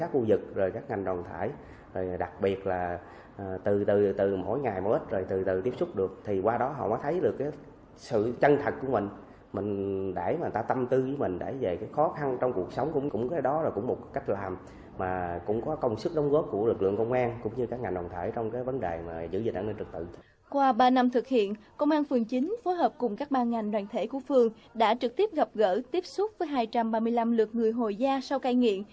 qua ba năm thực hiện công an phường chín phối hợp cùng các ban ngành đoàn thể của phường đã trực tiếp gặp gỡ tiếp xúc với hai trăm ba mươi năm lượt người hồi gia sau cai nghiện